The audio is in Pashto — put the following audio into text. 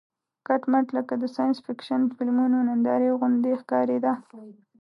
کټ مټ لکه د ساینس فېکشن فلمونو نندارې غوندې ښکارېده.